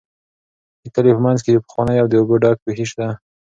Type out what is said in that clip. د کلي په منځ کې یو پخوانی او د اوبو ډک کوهی شته.